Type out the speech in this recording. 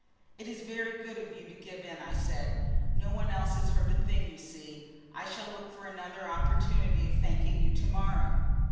"It is very good of you to give in," I said. "No one else has heard a thing, you see. I shall look for another opportunity of thanking you to morrow."